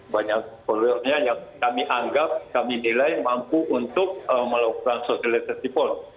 banyak followernya yang kami anggap kami nilai mampu untuk melakukan social diversity pon